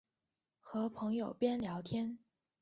和朋友边聊天